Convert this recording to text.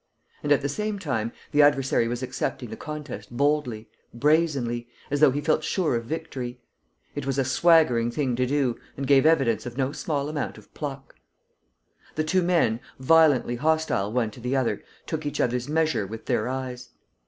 And, at the same time, the adversary was accepting the contest boldly, brazenly, as though he felt sure of victory. It was a swaggering thing to do and gave evidence of no small amount of pluck. The two men, violently hostile one to the other, took each other's measure with their eyes.